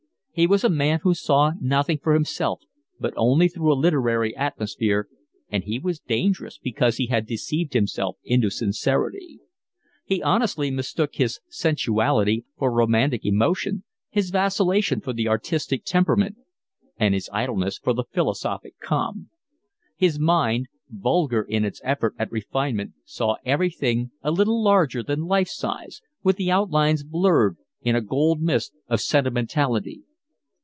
He was a man who saw nothing for himself, but only through a literary atmosphere, and he was dangerous because he had deceived himself into sincerity. He honestly mistook his sensuality for romantic emotion, his vacillation for the artistic temperament, and his idleness for philosophic calm. His mind, vulgar in its effort at refinement, saw everything a little larger than life size, with the outlines blurred, in a golden mist of sentimentality.